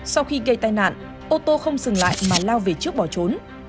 sau khi gây tai nạn ô tô không dừng lại mà lao về trước bỏ trốn